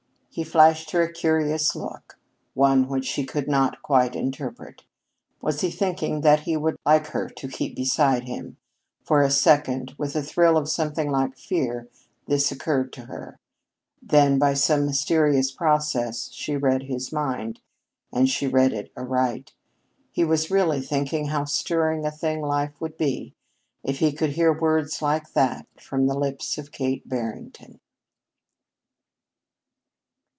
He flashed her a curious look; one which she could not quite interpret. Was he thinking that he would like her to keep beside him? For a second, with a thrill of something like fear, this occurred to her. Then by some mysterious process she read his mind, and she read it aright. He was really thinking how stirring a thing life would seem if he could hear words like that from the lips of Kate Barrington.